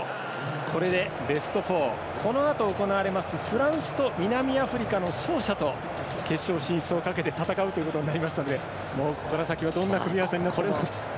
これでベスト４このあと行われていますフランスと南アフリカの勝者と決勝進出をかけて戦うということになるのでここから先はどんな組み合わせになっても。